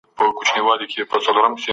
د انسان کرامت خوندي وساتئ.